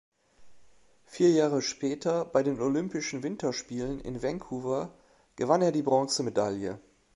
Vier Jahre später bei den Olympischen Winterspielen in Vancouver gewann er die Bronzemedaille.